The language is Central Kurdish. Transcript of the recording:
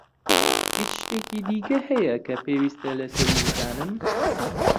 هیچ شتێکی دیکە هەیە کە پێویستە لەسەری بزانم؟